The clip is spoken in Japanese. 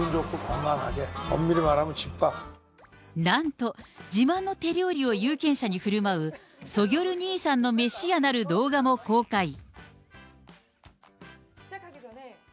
なんと、自慢の手料理を有権者にふるまう、ソギョル兄さんの飯屋なる動画も公開。